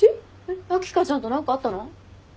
秋香ちゃんと何かあったの？